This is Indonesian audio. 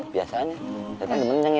biasanya setan gemenang ya